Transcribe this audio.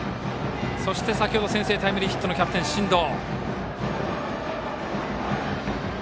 そして、先程先制タイムリーヒットのキャプテン進藤。